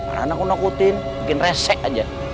mana aku nakutin bikin resek aja